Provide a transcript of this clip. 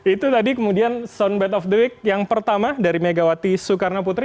itu tadi kemudian soundbite of the week yang pertama dari megawati soekarno putri